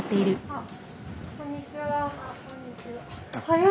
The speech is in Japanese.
あっ！